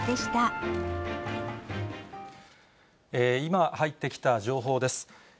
今、入ってきた情報です。